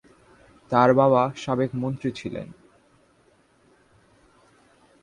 তার বাবা সাবেক মন্ত্রী ছিলেন।